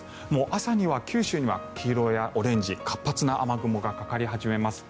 朝には九州には黄色やオレンジ活発な雨雲がかかり始めます。